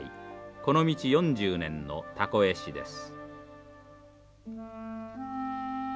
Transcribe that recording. この道４０年のたこ絵師です。